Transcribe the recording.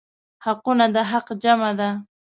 حقونه د حق جمع ده.